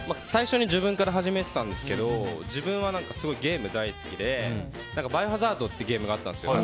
最初に自分から始めてたんですけど自分は、すごいゲームが大好きで「バイオハザード」ってゲームがあったんです。